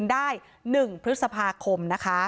ได้๑พฤษภาคม